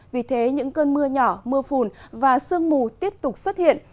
vì thế những cơn mưa nhỏ mưa phùn và sương mù tiếp tục xuất hiện